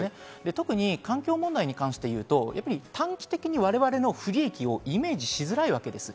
特に環境問題に関して言うと、短期的に我々の不利益をイメージしづらいわけです。